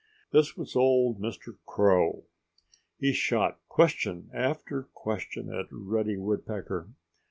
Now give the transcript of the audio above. This was old Mr. Crow. He shot question after question at Reddy Woodpecker.